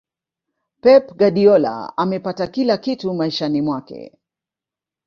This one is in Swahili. pep guardiola amepata kila kitu maishani mwake